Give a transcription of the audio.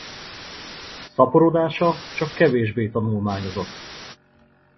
Szaporodása csak kevéssé tanulmányozott.